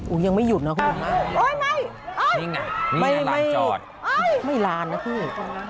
อุ้ยยังไม่หยุดนะโอ้ยไม่นี่ไงนี่ไงล้างจอดไม่ล้านนะพี่